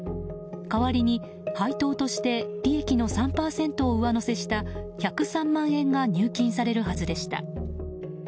代わりに配当として利益の３％を上乗せした１０３万円が入金されるはずでした。